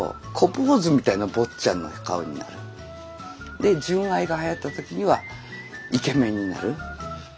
で純愛がはやった時にはイケメンになる。